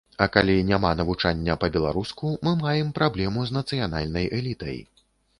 А калі няма навучання па-беларуску, мы маем праблему з нацыянальнай элітай.